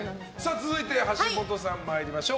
続いて、橋本さん参りましょう。